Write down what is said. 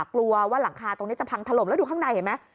กลัวว่าหลังคาตรงนี้จะพังถล่มแล้วดูข้างในเห็นไหม